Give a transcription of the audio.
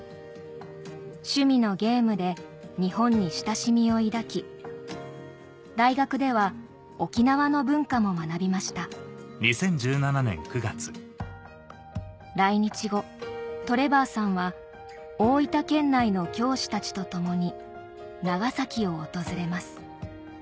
趣味のゲームで日本に親しみを抱き大学では沖縄の文化も学びました来日後トレバーさんは大分県内の教師たちと共に長崎を訪れます